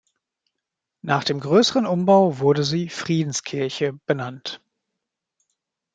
Nach dem größeren Umbau wurde sie "Friedenskirche" benannt.